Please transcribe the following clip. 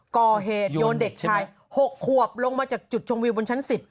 ก่อเหตุโยนเด็กชาย๖ขวบลงมาจากจุดชมวิวบนชั้น๑๐